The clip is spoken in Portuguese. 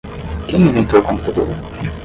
Quem inventou o computador?